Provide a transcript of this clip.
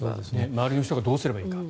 周りの人がどうすればいいか。